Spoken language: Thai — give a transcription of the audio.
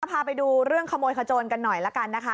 พาไปดูเรื่องขโมยขโจนกันหน่อยละกันนะคะ